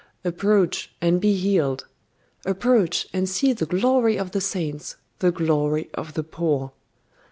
Approach, and be healed! Approach, and see the glory of the saints, the glory of the poor.